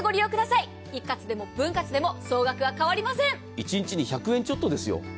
一日に１００円ちょっとですよ。